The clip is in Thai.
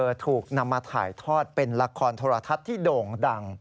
ถูกนำมาถ่ายทอดเป็นละครโทรทัศน์ที่โด่งดัง